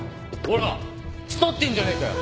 ほら腐ってんじゃねえかよ。